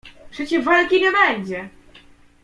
"Przecie walki nie będzie!"